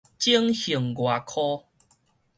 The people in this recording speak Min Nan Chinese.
整形外科